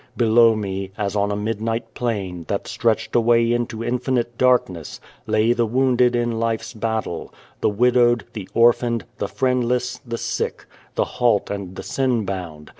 Below me, as on a midnight plain, that stretched away into infinite dark ness, lay the wounded in life's battle the widowed, the orphaned, the friendless, the sick, the halt, and the sin bound.